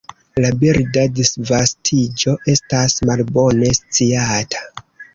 La birda disvastiĝo estas malbone sciata.